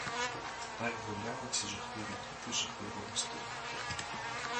Так гуляли ці жахливі діти жахливого століття.